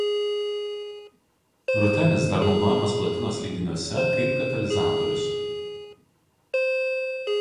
Rutenis dar naudojamas platinos lydiniuose kaip katalizatorius.